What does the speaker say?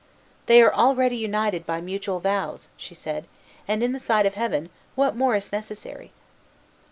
"They are already united by mutual vows," she said, "and in the sight of Heaven what more is necessary?"